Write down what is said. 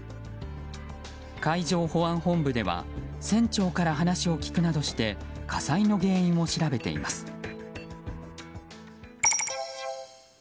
海上保安本部では船長から話を聞くなどして火災の原因を調べています。